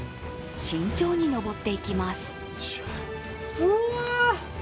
慎重に登っていきます。